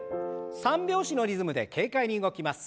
三拍子のリズムで軽快に動きます。